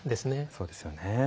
そうですよね。